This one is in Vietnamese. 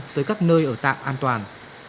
tới các nơi ở tạm an toàn